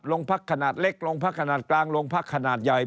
โรงพักขนาดเล็กโรงพักขนาดกลางโรงพักขนาดใหญ่